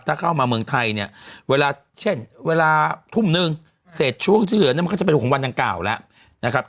ถ้าเข้ามาเมืองไทยเนี่ยเวลาเช่นเวลาทุ่มนึงเสร็จช่วงที่เหลือเนี่ยมันก็จะเป็นของวันดังกล่าวแล้วนะครับ